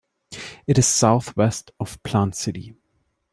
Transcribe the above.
It is southwest of Plant City.